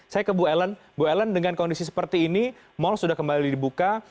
saya ke bu ellen bu ellen dengan kondisi seperti ini mal sudah kembali dibuka